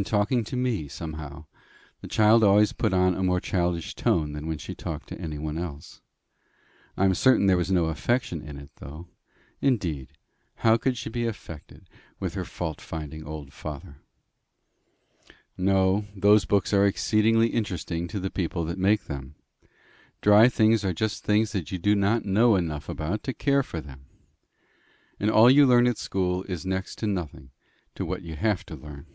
In talking to me, somehow, the child always put on a more childish tone than when she talked to anyone else. I am certain there was no affection in it, though. Indeed, how could she be affected with her fault finding old father? "No. Those books are exceedingly interesting to the people that make them. Dry things are just things that you do not know enough about to care for them. And all you learn at school is next to nothing to what you have to learn."